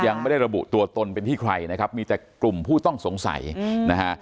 ยังไม่ได้ระบุตัวตนเป็นที่ใครนะครับมีแต่กลุ่มผู้ต้องสงสัยนะฮะ